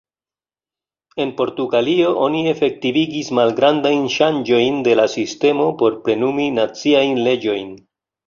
En Portugalio oni efektivigis malgrandajn ŝanĝojn de la sistemo por plenumi naciajn leĝojn.